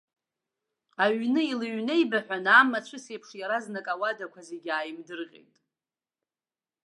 Аҩны илыҩнеибаҳәан, амацәыс еиԥш иаразнак ауадақәа зегьы ааимдырҟьеит.